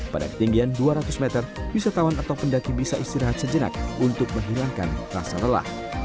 pada ketinggian dua ratus meter wisatawan atau pendaki bisa istirahat sejenak untuk menghilangkan rasa lelah